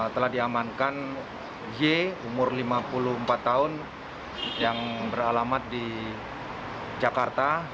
telah diamankan y umur lima puluh empat tahun yang beralamat di jakarta